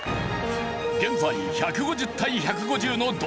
現在１５０対１５０の同点。